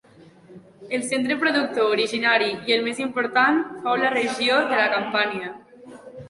El centre productor originari i el més important fou la regió de la Campània.